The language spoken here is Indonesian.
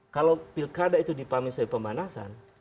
kalau pilkada itu dipahami sebagai pemanasan